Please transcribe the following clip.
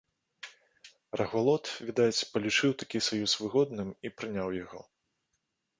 Рагвалод, відаць, палічыў такі саюз выгодным і прыняў яго.